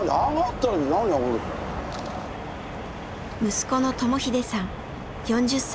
息子の智英さん４０歳。